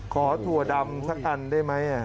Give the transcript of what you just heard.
ถั่วดำสักอันได้ไหม